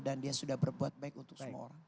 dan dia sudah berbuat baik untuk semua orang